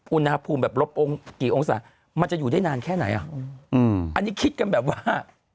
อุณหภูมิแบบลบองค์กี่องศามันจะอยู่ได้นานแค่ไหนอ่ะอืมอันนี้คิดกันแบบว่า